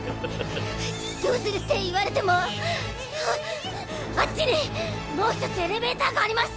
どうするって言われてもあっちにもうひとつエレベーターがあります！